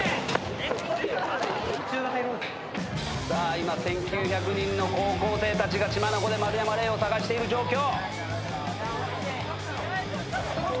今１，９００人の高校生たちが血眼で丸山礼を捜している状況！